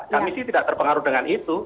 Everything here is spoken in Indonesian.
kami sih tidak terpengaruh dengan itu